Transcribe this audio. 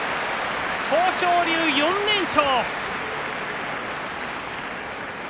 豊昇龍、４連勝。